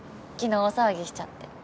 昨日大騒ぎしちゃって。